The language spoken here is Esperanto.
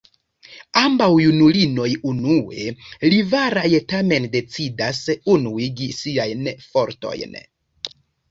Ambaŭ junulinoj unue rivalaj tamen decidas unuigi siajn fortojn.